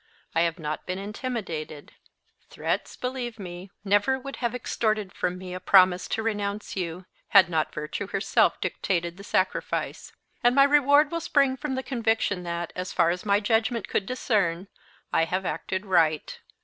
I have not been intimidated threats, believe me, never would have extorted from me a promise to renounce you, had not Virtue herself dictated the sacrifice; and my reward will spring from the conviction that, as far as my judgment could discern, I have acted right.